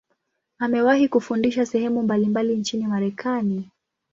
Amewahi kufundisha sehemu mbalimbali nchini Marekani.